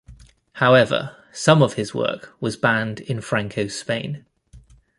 However, some of his work was banned in Franco's Spain.